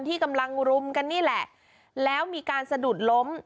ที่กำลังรุมกันนี่แหละแล้วมีการสะดุดล้ม